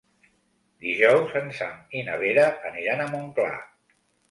Dijous en Sam i na Vera aniran a Montclar.